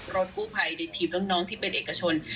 รถกู้ภัยในทีมน้องที่เป็นเอกชน